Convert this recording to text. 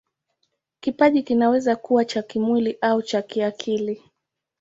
Kipaji kinaweza kuwa cha kimwili au cha kiakili.